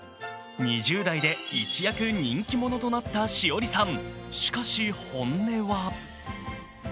２０代で一躍、人気者となったＳＨＩＯＲＩさん。